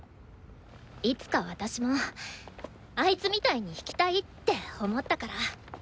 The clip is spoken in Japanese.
いつか私もあいつみたいに弾きたいって思ったから。